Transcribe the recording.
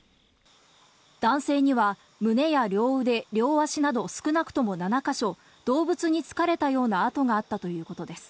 男性には胸や両腕、両足など少なくとも７か所、動物に突かれたようなあとがあったということです。